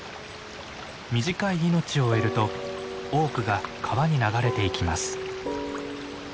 短い命を終えると多くが川に流れていきます。